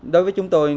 đối với chúng tôi